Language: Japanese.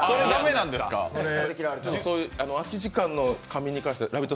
空き時間の仮眠に関して「ラヴィット！」